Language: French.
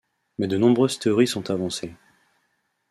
Mais de nombreuses théories sont avancées.